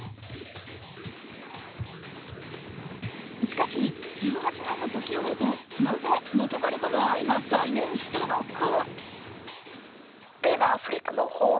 しかし、１８年の時を経てなぜ元カレとの愛が再燃したのか。